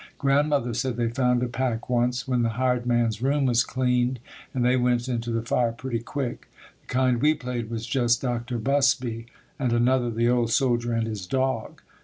Grandmother said they found a pack once, when the hired man's room was cleaned, and they went into the fire pretty quick. The kind we played was just "Dr. Busby," and another "The Old Soldier and His Dog."